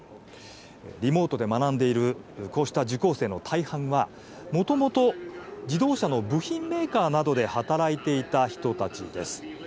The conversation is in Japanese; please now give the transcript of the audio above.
リモートで学んでいる受講生の大半は、もともと自動車の部品メーカーなどで働いていた人たちです。